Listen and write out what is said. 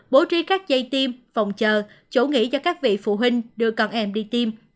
bố trí các dây tiêm phòng chờ chỗ nghỉ cho các vị phụ huynh đưa con em đi tiêm